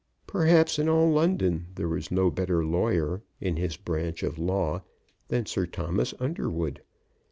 Perhaps in all London there was no better lawyer, in his branch of law, than Sir Thomas Underwood.